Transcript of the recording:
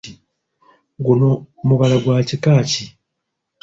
Guno mubala gwa kika ki?